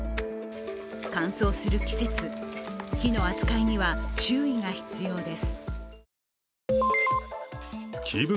乾燥する季節、火の扱いには注意が必要です。